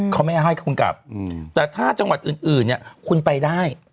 เขาไม่ให้คุณกลับแต่ถ้าจังหวัดอื่นเนี่ยคุณไปได้